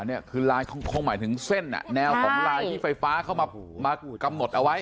นี่คือลายคงหมายถึงเส้นแนวของลายที่ไฟฟ้าเข้ามากำหนดเอาไว้